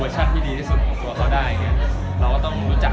จะมาใช่กว่าอยู่ไหน